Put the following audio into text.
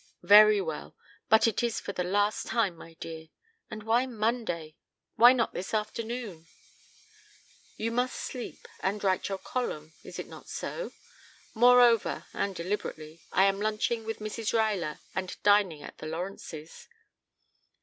"Very well but it is for the last time, my dear. And why Monday? Why not this afternoon?" "You must sleep and write your column, is it not so? Moreover and deliberately I am lunching with Mrs. Ruyler and dining at the Lawrences'."